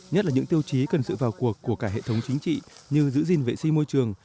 nhất là những tiêu chí cần sự vào cuộc của cả hệ thống chính trị như giữ gìn vệ sinh môi trường